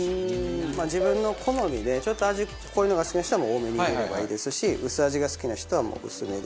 まあ自分の好みでちょっと味濃いのが好きな人は多めに入れればいいですし薄味が好きな人はもう薄めで。